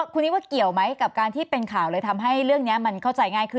คุณนิดว่าเกี่ยวไหมกับการที่เป็นข่าวเลยทำให้เรื่องนี้มันเข้าใจง่ายขึ้น